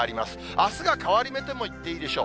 あすが変わり目といってもいいでしょう。